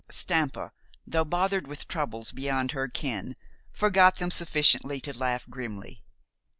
Stampa, though bothered with troubles beyond her ken, forgot them sufficiently to laugh grimly.